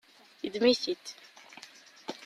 Yeddem-it-id.